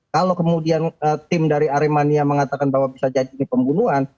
kalau kemudian tim dari aremania mengatakan bahwa bisa jadi ini pembunuhan